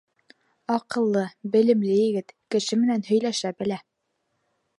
Аҡыллы, белемле егет, кеше менән һөйләшә белә.